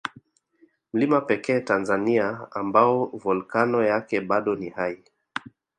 Mlima pekee Tanzania ambao Volkano yake bado ni hai